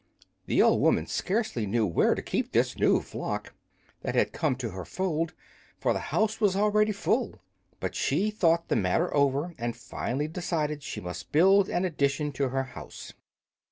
The old woman scarcely knew where to keep this new flock that had come to her fold, for the house was already full; but she thought the matter over and finally decided she must build an addition to her house.